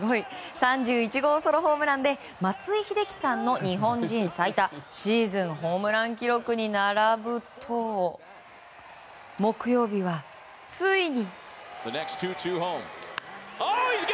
３１号ソロホームランで松井秀喜さんの日本人最多シーズンホームラン記録に並ぶと木曜日はついに。